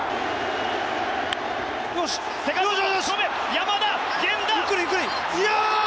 山田、源田！